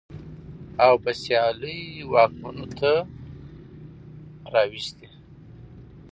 او په سيالۍ واکمنو ته راوستې.